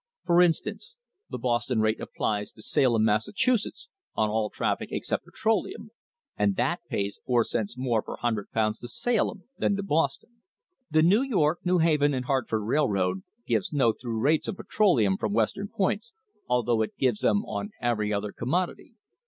For instance, the Boston rate applies to Salem, Massachusetts, on all traffic except petroleum, and that pays four cents more per 100 pounds to Salem than to Boston. The New York, New Haven and Hartford Railroad gives no through rates on petroleum from Western points, although it gives them on every other commodity.